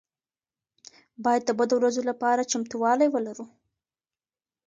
باید د بدو ورځو لپاره چمتووالی ولرو.